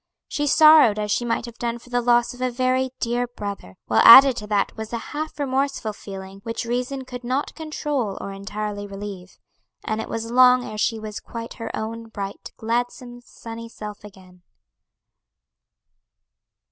She sorrowed as she might have done for the loss of a very dear brother; while added to that was a half remorseful feeling which reason could not control or entirely relieve; and it was long ere she was quite her own bright, gladsome sunny self again.